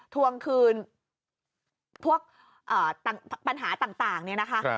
ทวงคืนพวกปัญหาต่างเนี่ยนะคะ